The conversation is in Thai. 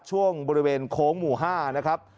ช่วงบริเวณโค้งหมู่๕นะครับ